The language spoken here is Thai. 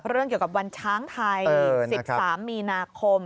เรื่องเกี่ยวกับวันช้างไทย๑๓มีนาคม